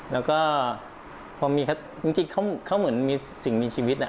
แล้วก็พอมีจริงเขาเหมือนสิ่งมีชีวิต